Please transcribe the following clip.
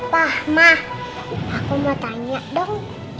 wah mah aku mau tanya dong